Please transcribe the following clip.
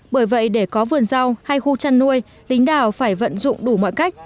bởi vậy để có vươn rau hay khu chăn nuôi lính đảo phải vận dụng đủ mọi cách